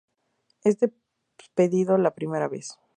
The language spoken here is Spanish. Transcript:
Es despedido la primera vez"".